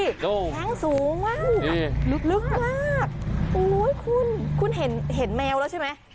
แท้งสูงมากลึกมากคุณเห็นแมวแล้วใช่ไหม